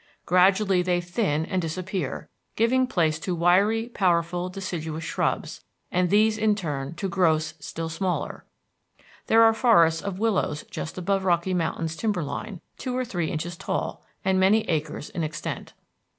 Gradually they thin and disappear, giving place to wiry, powerful, deciduous shrubs, and these in turn to growths still smaller. There are forests of willows just above Rocky Mountain's timber line, two or three inches tall, and many acres in extent.